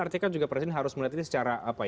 artinya kan presiden harus melihat ini secara